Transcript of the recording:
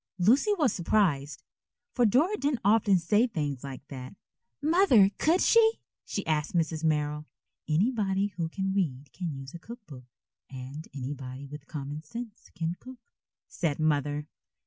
Lucy was surprised, for Dora didn't often say things like that. "Mother, could she?" she asked Mrs. Merrill. "Anybody who can read can use a cook book, and anybody with common sense can cook," said Mother.